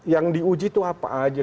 yang diuji itu apa aja